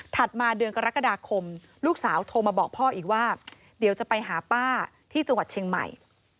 มาเดือนกรกฎาคมลูกสาวโทรมาบอกพ่ออีกว่าเดี๋ยวจะไปหาป้าที่จังหวัดเชียงใหม่